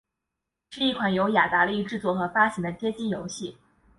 是一款由雅达利制作和发行的街机游戏。